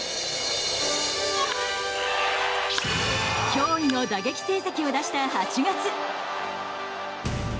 驚異の打撃成績を出した８月。